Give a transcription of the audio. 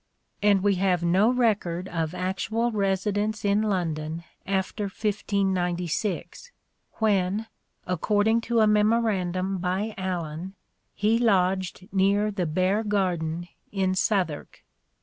And we have no record of actual residence in London after 1596, when "accord ing to a memorandum by Alleyn he lodged near the Bear Garden in Southwark."